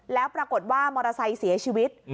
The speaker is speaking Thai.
แล้วปรากฏว่ามอเตอร์ไซค์เสียชีวิต